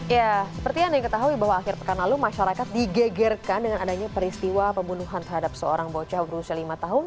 ya seperti yang anda ketahui bahwa akhir pekan lalu masyarakat digegerkan dengan adanya peristiwa pembunuhan terhadap seorang bocah berusia lima tahun